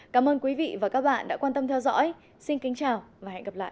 cảm ơn quý vị và các bạn đã quan tâm theo dõi xin kính chào và hẹn gặp lại